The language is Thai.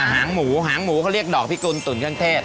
งั้นหมูหางหมูก็เรียกโดกพี่กุลตุ๋นเครื่องเทศ